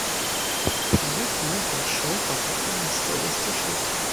Кравец зноў пайшоў па гэтай мясцовасці шыць.